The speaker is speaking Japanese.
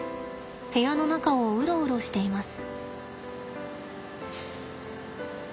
部屋の中をウロウロしています。